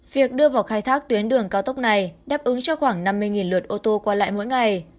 việc đưa vào khai thác tuyến đường cao tốc này đáp ứng cho khoảng năm mươi lượt ô tô qua lại mỗi ngày